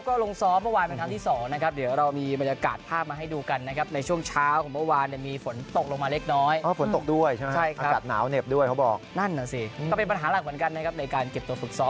ก็เป็นปัญหาหลักเหมือนกันนะครับในการเก็บตัวฝึกซ้อม